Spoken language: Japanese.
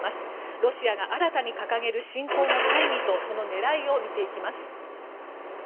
ロシアが新たに掲げる侵攻の大義と、その狙いを見ていきます。